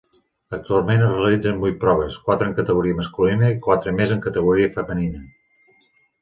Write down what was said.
Actualment es realitzen vuit proves, quatre en categoria masculina i quatre més en categoria femenina.